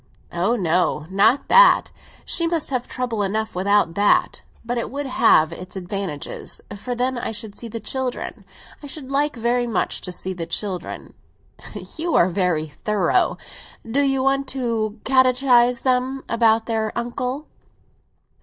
"Ah no, not that; she must have trouble enough without that. But it would have its advantages, for then I should see the children. I should like very much to see the children." "You are very thorough. Do you want to catechise them about their uncle!"